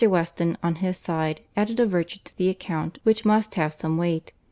Weston, on his side, added a virtue to the account which must have some weight.